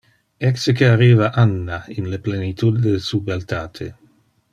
Ecce que arriva Anna, in le plenitude de su beltate.